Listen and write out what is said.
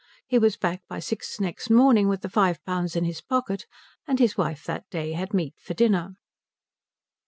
He was back by six next morning with the five pounds in his pocket, and his wife that day had meat for dinner.